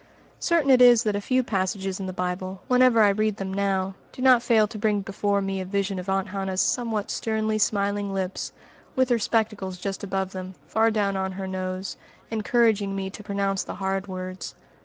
Certain it is that a few passages in the Bible, whenever I read them now, do not fail to bring before me a vision of Aunt Hannah's somewhat sternly smiling lips, with her spectacles just above them, far down on her nose, encouraging me to pronounce the hard words.